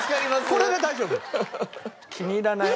これで大丈夫？